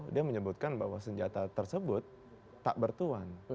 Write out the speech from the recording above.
dia menyebutkan bahwa senjata tersebut tak bertuan